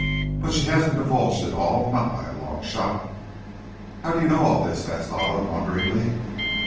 But she hasn't divulged it all, not by a long shot!" "How do you know all this?" asked Olive, wonderingly.